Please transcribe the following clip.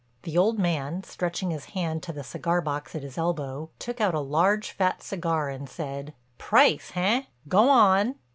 The old man, stretching his hand to the cigar box at his elbow, took out a large fat cigar and said: "Price, eh?—Go on."